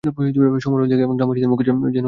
সমারোহ দেখিয়া গ্রামবাসীদের মুখে যেন রা সরিল না।